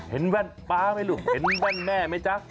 เห็นแว่นป๊าไม่รู้เห็นแว่นแม่ไหมจ๊ะ